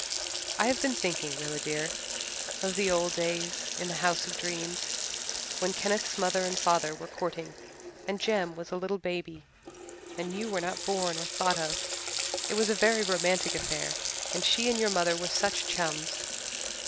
"I have been thinking, Rilla dear, of the old days in the House of Dreams, when Kenneth's mother and father were courting and Jem was a little baby and you were not born or thought of. It was a very romantic affair and she and your mother were such chums.